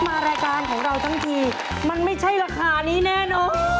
มารายการของเราทั้งทีมันไม่ใช่ราคานี้แน่นอน